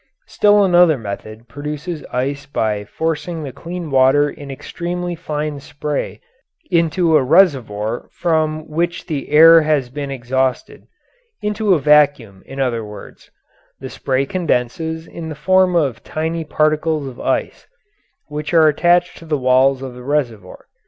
Still another method produces ice by forcing the clean water in extremely fine spray into a reservoir from which the air has been exhausted into a vacuum, in other words; the spray condenses in the form of tiny particles of ice, which are attached to the walls of the reservoir.